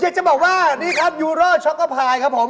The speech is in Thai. อยากจะบอกว่านี่ครับยูโร่ช็อกโกพายครับผม